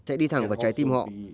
sẽ đi thẳng vào trái tim họ